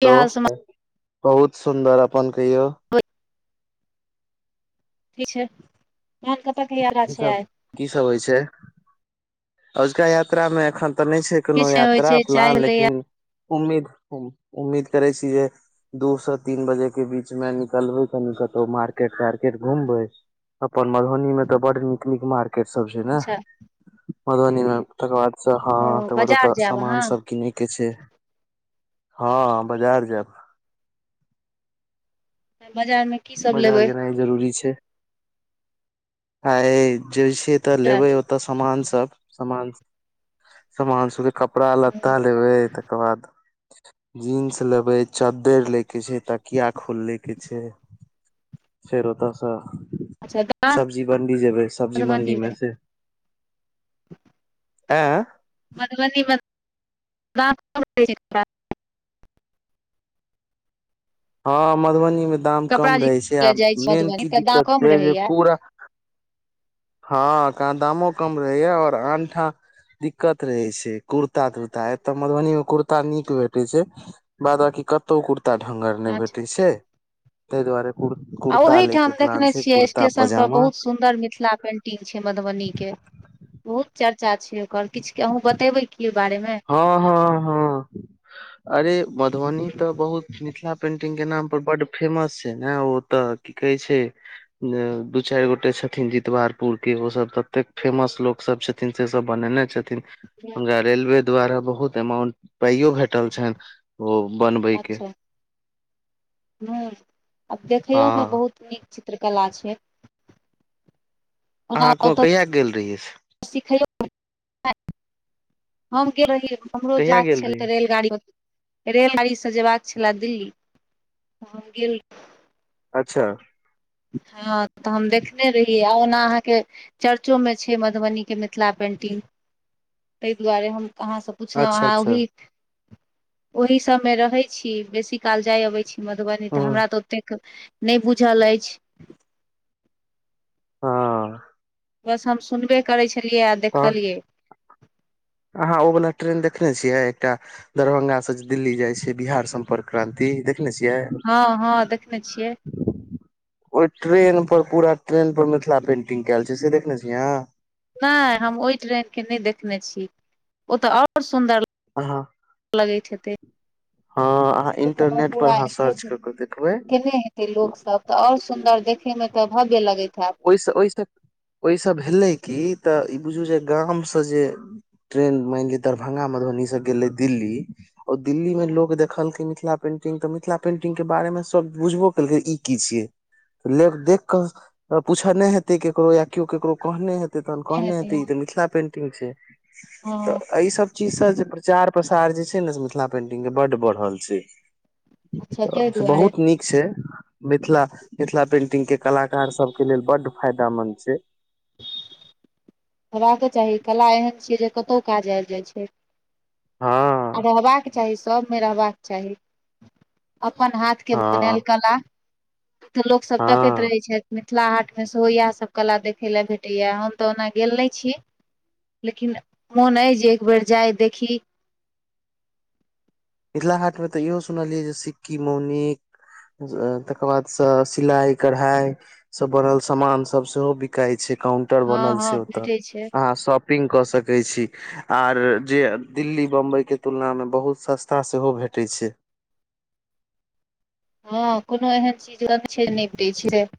की hello, हाल समाचार बहुत सुन्दर अपन कहियौउ! की छै आर! कीसभ कीसभ होइ छै! अजुका यात्रामे एखन तऽ नहि छै, कोनो किछ नहि होइ यात्रा छै चाय प्लान भेलैया लेकिन! उम्मीद उम्मीद करे छी, जे दू से तीन बजे के बीच मे निकलबै कनि कतहु मार्केट तार्केट घुमबै, अपन मधुबनी मे त बड नीक नीक मार केट सब छै ने! अच्छा मधुबनीमे तकर बाद। स हँ ओ तकर बाद बाजार ओतऽ जायब समान अहाँ सब किनै के छै। हँ बजार जैब। बजारमे की सब लेबै? ह। जे छै ए तऽ लेबै ओत समान सब सब सामान सब सामान सब। कपड़ा लत्ता लेबै तकर बाद जींस लेबै चद्दर ले के छै तकिया खुल लैके छै। फेर ओ तऽ स। अच्छा दाम सब्जी मण्डी जेबै सब्जी मधुबनी मे मण्डीमे से। आँ। मधुबनी [unintelligible] हँ मधुबनी मे। दाम कपड़ा कम जे रहै छै किनै ले आब जाइ छी मेन मधुबनी की तऽ दाम दिक्कत कम छै जे रहैया पूरा हँ क दामो कम रहैया आऔर आनठाम दिक्कत रहे छै कुर्ता तुर्ता एतय मधुबनी मे कुर्ता नीक भेटै छै बाद बकी कतहु कुर्ता- कता ढङ्गर नहि अच्छा भेटै छै। ताहि दुआरे। आ कुर्ता लै ओहिठाम के देखने प्लान छै छियै कुर्ता स्टेशन पर पजामा बहुत सुन्दर मिथिला पेंटिंग छै मधुबनी के ओ चर्चा छै ओकर किछु अहुूँ बतेबै की ओइ बारे मे हँ हँ हँ अरे मधुबनी तऽ बहुत मिथिला पेंटिंग के नाम बड फेमस छै ने ओ तऽ की कहे छै दू चारि गोटे छथिन जितवारपुर के ओ सब तते फेमस लोको सब छथिन से सब बनेने छथिन। ह रेेलवे। द्वारा बहुत अमाउंट पाइयो भेटल छनि। ओ बनबैके। हँ। आब देखैयो मे हँ बहुत नीक। चित्रकला छै। अहाँ क कहिया गेल रहियै। सिखौ हम गेल रही। हमरो कहिया जायके गेल छलै रहियै रेलगाड़ीमे। रेलगाड़ीसँ जयबाक छलए दिल्ली गेल। अच्छा। हँ तऽ हम देखने रहियै आ ओना अहाँके चर्चोमे छै मधुबनीके मिथिला पेन्टिंग ताहि द्वरे हम। कहाँसँ पुछलहुँ अच्छा अहाँ अच्छा ओहि ओहि सब मे रहै छी बेसी काल जाय अबै छी। मधुबनी तऽ हँ हमरा तऽ ओतेक नहि बुझल आइच। हँ। बस हम सुनबे करै छी। देखलिये अ तहन देखलिये। अहाँ ओ वला ट्रेन देखने छियै एकटा दरभंगासँ दिल्ली जाइ छै बिहार सम्पर्क क्रानंि देख हँ हँ देखने छियै। ओहि ट्रेन पर पूरा ट्रेन पर मिथिला पेंटिंग कयल छै से देखने छी अहाँ। नैये हम ओहि ट्रेन के नहि देखने छी ओ तऽ ओर सुन्दर अहाँ लगै हेते, हँ अहाँ इंटरनेट पर अहाँ सर्च कऽ के देखबै केने हेतै लोक सभ और सुंदर किमे तऽ भाव्य लगै छै। ओहिसँ ओहिसँ ओहिसँ भेलै कि तऽ ई बुझू जे गामसँ जे ट्रेन मानि लिअ दरभ्ंगा मधुबनीसँ गेलै दिल्ली ओ दिल्ी मेमे हँ लोकग देखल केम मिथिला पेंटिंग मिथिला पेंटिंग क बारे म सब बुझबू केलखिन की ई कि छये। ल देख कऽ। पूछने हेते केकरो या केओ केकरो कहने हेते। तहन कहने हेतै हे हँ ई तऽ मिथिला पेंटिंग छै। तऽ हँ। एहि सब चीज सब जे प्रचार प्रसार जे छै ने से मिथिला पेंटिंग के बड बढ़ल छै। अच्छा त ताहि से दुआरे बहुत नीक छै मिथिला मिथिला पेन्टिंग के कलाकार सब। लेल बड्ड फायदामन्द छै। हेबाक चाही कला एहन छियै जे कतहु काज आबि जाइ छै। आ हँ रहबाक के चाही। सबमे रहबाक चाही। अपन हाथ के बनल हँ कला। तऽ लोक सब तकैत हँ रहै छैमे। मिथिला हाट मे सेहो इएह सब कला देखे ला भेटे या हन तऽ ओना। गेल नहि छी लेकिन मोन अइ जे एक बेर जाइ देखी। मिथिला हाट मे तऽ इहो सुनलियै जे सिक्की मौनिक तकर बाद से सिलाई कढ़ाई सब बनल सामान सब सेहो बिकाई छै। काउंटर हँ बनल हँ छै ओतता भेटै छै अहाँ शॉपिंग क सक छी आर दिल्ली बम्बई के तुना मे बहुत ा सेहो भेटै छै। हँ कोनो एहन चीज छै निप दै छी से। [inaudible]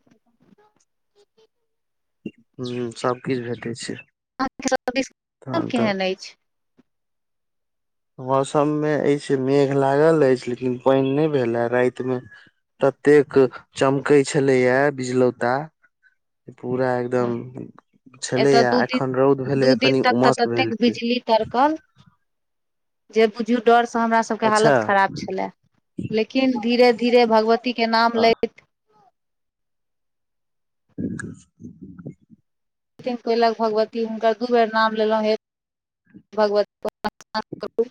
हुं सब किछ भेटै छै। अहाँ तरफ के [inaudible] तहन तऽ केहेन ऐछ। मौसममे ऐसे मेघ लागल ऐछ लेकिन पैन नै भेलए रातमे ततेक चमकै छलैए बिजलौता। पूरा एकदम एतय छलैए दू दिन एखन रौद भेलैए दू दिन कनि तक तऽ उमस ततेक भेल छै। बिजली कड़कल जे बुझू डर स सँ हमरा सबके अच्छा हालत खराब छलए लेकिन धीरे धीरे भगवतीके नाम लैत [inaudible] दिन कयलक भगवती हुनकर दू बेर नाम लेलौ ए भगवती करू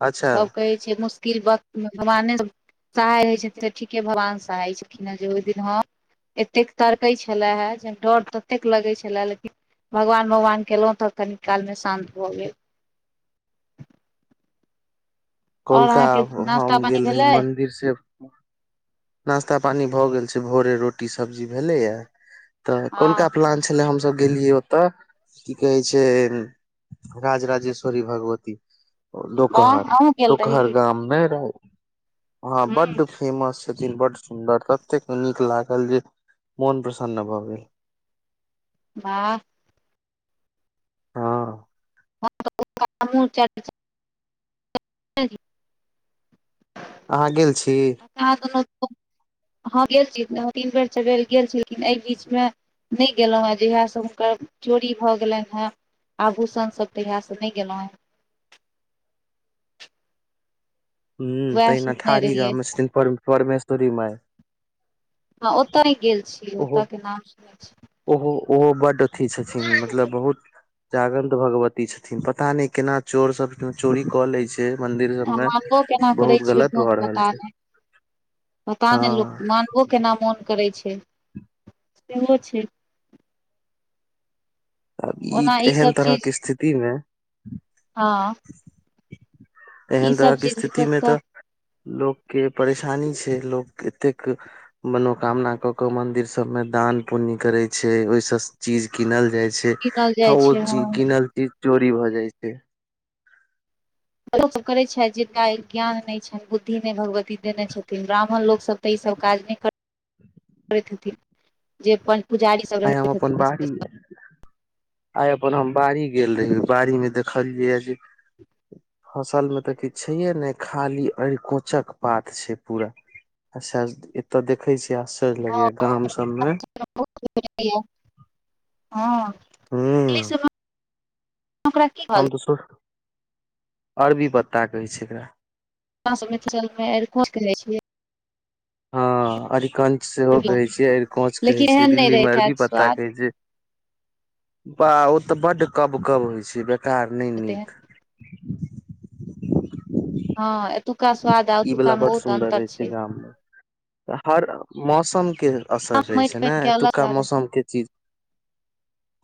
अच्छा तब कहै छियै मुस किल वक्त मे भगवाने सब सहाय हय छै तऽ ठीके भगवान सहाय छलिन हे जे ओय दिन हां एतेक तड़कै छले हे डर ततेक लगै छलए लेकिन भगवान भगवान केलौ तऽ कनी कालमे शान्त भऽ गेल। और कोलका अहाँके नास्ता हम पानी गेल रही भेलै मंदिर से, नास्ता पानी भऽ गेल। से भोरे रोटी सब्जी भेलैए। तऽ कोलका हँ प्लान छले हम सब गेलियै ओ तऽ की कहै छै राजराजेश्वरी भगवती वाह लोकहर। अहूँ गेल लोकहर घर रही गाम नै रहे हां ह बड्ड फेमस छथीन बड सुंन्दर ततैक नीक लाग कल जै मौन प्रसन्न भ गैल। बाह। हँ [unintelligible] [unintelligible] अहाँ गेल छी अहां दुनु तो, हां गैल रीहे। यहो तीन बेर सबेर गेल छीयै लेकिन ए बीचमे नै गेलौए जहिया से हुनकर चोरी भऽ गेलै हेँ आभूषण सब तहिया से नै गेलौए। हुं वएह तहना सुनने थारी रहियै गाम मे छथिन पर परमेश्वरी माय। हँ ओतय नहि गेल छी उहो ओतय के नाम सुनै छी उहो उहो बड्ड अथी छथिन मतलब बहुत जाग्लट भगवती छथिन पता नै केना चोर सब चोरी कऽ ले छै। मंदिर सब आ में मानबो केना करै बहुत छियै गलत भऽ रहल पता छै नै, पता नै लोक हँ मानबो केना मोन करै छै सेहो छै। आब ई ओना तऽ एहन सब चीज तरहके स्थिति मे। हँ ई एहन सब तरहके चीज लोक स्थितिमे तऽ लोक के परेशानी छै, लोक एतेक मनोकामना कऽ के मंदिर सब में दान पुण्य करे छै, ओय से चीज कीनल जाय छै, कीनल जाइ हां ओ छै ची हँ कीनल ती चोरी भऽ जाय छै। लोक सब करै छै जिनका ज्ञान ने छैन, बुद्धि ने भगवती देना छथिन, ब्राह्मण लोक सब ते इ सब काज ने कर करैत हथी। जे प पुजारी सब आइ हम रहैत हथीन आय अपन हम बाड़ी गेल रही, बाड़ी में देखलियै जे [inaudible] फसल में ते किछ छैये ने खाली अरकोचक पात छै पूरा अच्छा एता देखे छी। ते आश्चर्य लगै या गाम सबमे [unintelligible] हाँ। हूं [unintelligible] हम ते सर अरबी पत्ता कहै छै एकरा। [unintelligible] हाँ अरकन सेहो कहै छियै, अरकोंच कहै लेकिन छिये, एहन नहि दिल्ली मे रहैत अरबी हैत पत्ता स्वाद कहै छै। बाह ओ ते बड कब कब होय छै, ग तार ने तेहन नीक। हाँ ए तूका स्वाद आ ई अतूका वाला मे बड बहुत सुंदर अन्तर रहे छै। गाम में हर मौसम के असर रहे माटि छै ने पानि के अलग एतुका स्वाद मौसम के चीज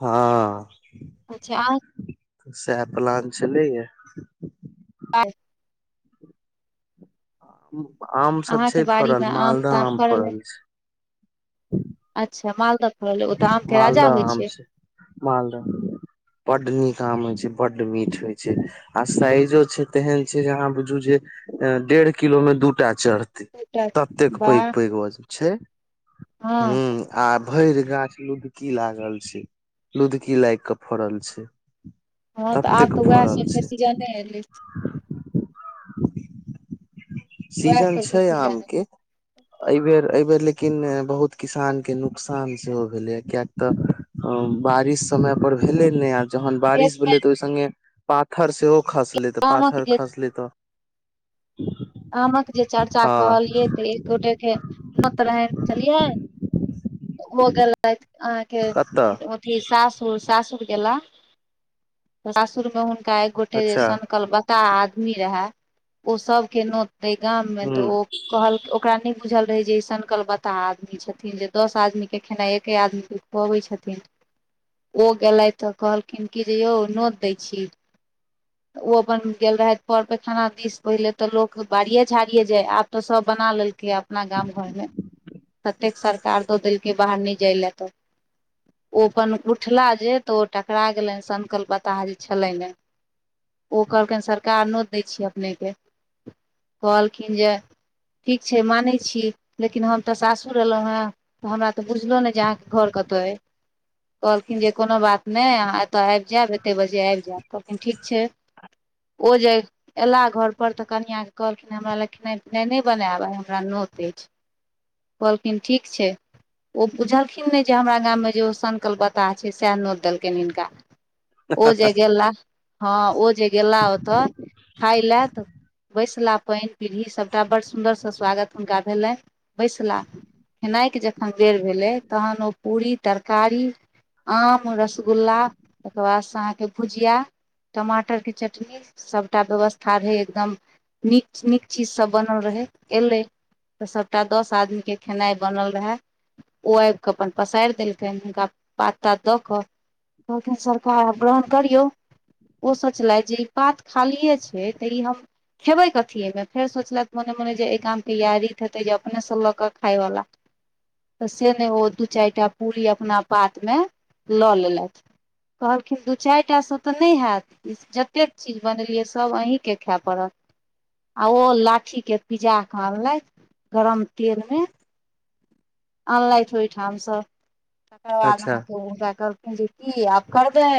हाँ। अच्छा आ साएह प्लान छलै या। आ हुं। आम सब अहाँके छै बाड़ी मे फड़ल, मालदा ताम आम अइ फड़ल छै। अच्छा मालदा मालदा आम छै, मालदा बड नीक आम होय छै। बड मीठ होय छै आ साइजो छै तेहन छै जे अहाँ बुझु जे ए डेड़ किलो मे दूटा चढ़ते ततेक पैग पैग छै। हां। भैर गाछ लुदकी लागल छै, लुदकी लाएग के फड़ल छै। हां तऽ ततेक आब तऽ वैह फड़ल सबके छै सीजने एलै। वएह सीजन सबके छै सीजन एलै। आमके। ए बेर ए बेर लेकिन बहुत किसान के नुकसान सेहो भेलै यै कियै तऽ अ बारिश समय पर भेले नै आ जहन बारिश भेलो एक तऽ ओय संगे ‌ पाथर सेहो खसलै तऽ आमक पाथर जे खसलै तऽ आमक जे चर्चा हँ कहलियै तऽ एक गोटै के नौत रहैन चलिए। हौ गेलैथ। अहाँके कतऽ ओथि सासुर सासु गैला सासुर मे हुन कै गोटै अच्छा ऐसन कल बताह आदमी रहे ओ सब केनो ए गाम मे त हूँ ओ कहल औ ओकरा नै बुझल रहै जे ऐसन कल बताह आदमी छथिन जे दस आदमी के खेनाय एके आदमी के खुआबै छथिन औ गेलै त कहलखिन्ह की जे यौ नौत दै छी, ओ अपन गेल रहे पोर पैखाना दिस पहिला तऽ लोक बारिये छाड़िये जाय आब तऽ सब बना लेल यै अपना गाम घर मे तत्तेक सर कार द देल कै बाहर नै जाय लए तऽ ओ अपन उठला जे तऽ ओ टकरा गेलैन सनकल बताह जे छलैन ए औ कहल कैन सरकार नौत दै छी अपने के कहलखिन जे ठीक छै मानै छी लेकिन हम तऽ सासुर एलौए हमरा तऽ बुझलौ नै जे अहाँके घर कताए कहलखिन जे कोनो बात नै अहाँ एतय आएब जायब एतेक बजे आएब जायब कहलखिन ठीक छै औ जे एलाह घरप तऽ कनिया केँ कहलखिन हमरा लै खेनाय पिनाय नै बनाएब आइ हमरा नोत ऐछ, कहलखिन ठीक छै ओ बुझलखिन नै जे हमरा गाममे जे ओ सनकल ब्ताह छै सैह नोत देलकेन हिनका। ओ जे गेला, हां ओ जे गेला ओतऽ खाय लै त बैसला पैन पीभी सबटा बड़ सुन्दर से स्वागत हुनका भेलै। बैसला खेनाइ के जख हां बेर भेलै तहन ओ पूरी, तरकारी, आम, रसगुल्ला तकर बाद से अहाँके भुजिया, टमाटरके चटनी सबटा व्यवस्था रहै एकदम नीक नीक चीज सब बनल रहै, एलै तऽ सबटा दस आदमीके खेनाइ बनल रहै ओ आब कऽ अपन पसार देलकैन हुनका पाता दऽ कऽ कहलखिन सरकार आब ग्रहण करियौ ओ सोचलैथ जे ई पात खालिए छै तऽ ई हम खेबै कथी एमे फेर सोचलैथ मोने मोने जे ए गामके यैह रीत हेतै जे अपनेसँ लऽ कऽ खायवला तऽ से नै ओ दू चारटा पूरी अपना पातमे लऽ लेलैथ कहलखिन दू चारटा तऽ नै हैत जतेक चीज बनेलियै सभ अहींके खाए पड़त। आ ओ लाठीके पिजाके आनलक गरम तेलमे आनलैथ ओय ठाम स तकर बाद अच्छा अहाँ के हुनका कहलखिन्ह जे की आब करबै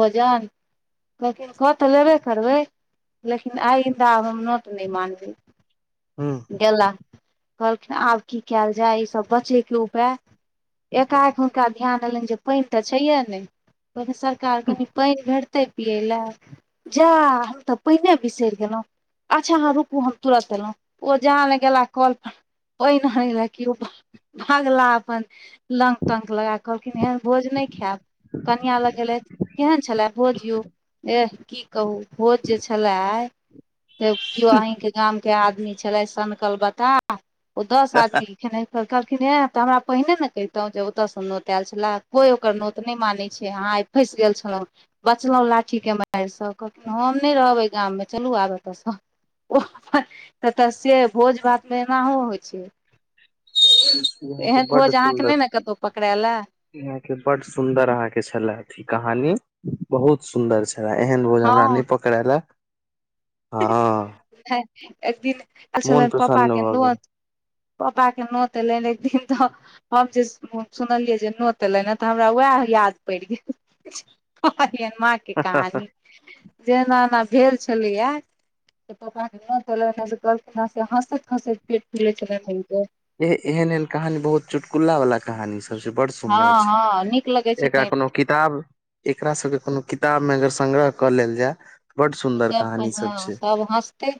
भोजन, कहलखिन कऽ तऽ लेबे करबै, लेकिन आइन्दा आब हम नोत नै मानबै। हूँ गेला। कहलखिन आब की कायल जाय इ सब बचयके उपाय एकाएक हुनका ध्यान एलैन जे पेएन ते छैये ने, कहथिन सरकार कनि पेएन भेटतै पियै लए, जा हम ते पेएने बिसेर गेलोउ, अच्छा अहाँ रुकू हम तुरन्त एलो ओ जहाँ ल गेला कोल पर पेएन [unintelligible] कियो भागला अपन लंक-तंक लगा के कहलखिन एहन भोज ने खाएब, कनिया लग गेलेथ केहन छलय भोज यो एह की कहू भोज जे छलाय से कियो अहींके गामके आदमी छलय सनकल बताह उ दस आदमी खेना [unintelligible] किना ए तऽ हमरा पहिने ने केहतौ जे ओता से नोत आएल छला, कोय ओकर नोत ने मानै छै अहाँ आय फैस गेल छलौ, बचलौ लाठीके मार से कहलखिन हम ने रहब ए गाममे चलू आब एता से वाह ह एता से भोज भातमे एनाहो होय छै। यहाँ के एहन बड भोज अहाँके नहि सुन्दर, ने कतहु पकड़ायल ए। यहाँ के बड सुन्दर अहाँके छलै अथी कहानी बहुत सुन्दर छै। ड़ा एहन बोझ हमरा हँ ने पकड़ालय। हाँ। एक दिन आएल छलैन पपा के नोत पपाके नोत एलैन एक दिन ते हम हम जे सुनलियै जे नोत एलैन ए ते हमरा वाएह याद पैड़ गेल। [unintelligible] मा के गेल कहानी। जे एना-एना भेल छलैया। ए पापा के नोत एले ओता से कहलखिन से हसैत-हसैत पेट फुले छलैन हुनकर। एह एहन-एहन कहानी बहुत चुटकुला वाला कहानी सबसे बड़ सुननाय हँ छै, हँ नीक लगै छै एकरा तै कोनो किताब एकरा सबके कुनु किताब मे अगर संग्रह कऽ लेल जाय। बड और सुंदर सब कोई कहानी हाँ छै। सब हँसते।